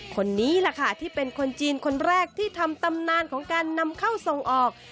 คนนี้แหละค่ะที่เป็นคนจีนคนแรกที่ทำตำนานของการนำเข้าส่งออก